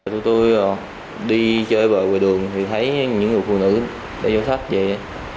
tụi tôi đi chơi bờ quầy đường thì thấy những người phụ nữ đeo sách vậy